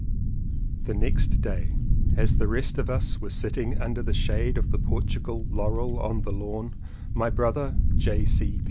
The next day as the rest of us were sitting under the shade of the Portugal laurel on the lawn, my brother, J.